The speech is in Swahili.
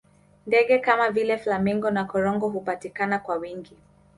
ndege Kama vile flamingo na korongo hupatikana kwa wingi